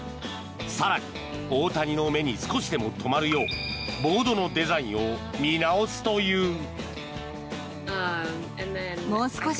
更に、大谷の目に少しでも止まるようボードのデザインを見直すという。